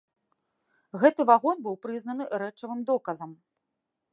Гэты вагон быў прызнаны рэчавым доказам.